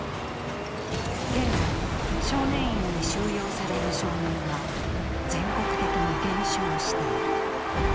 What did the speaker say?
現在、少年院に収容される少年は全国的に減少している。